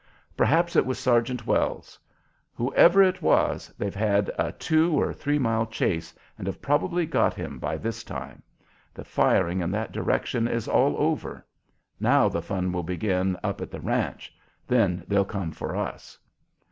Perhaps it was Sergeant Wells. Whoever it was, they've had a two or three mile chase and have probably got him by this time. The firing in that direction is all over. Now the fun will begin up at the ranch. Then they'll come for us."